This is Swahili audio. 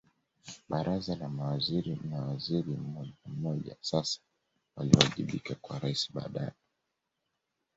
Baraza la Mawaziri na waziri mmojammoja sasa waliwajibika kwa Raisi badala